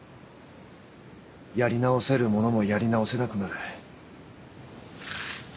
やり直せるものもやり直せなくなる。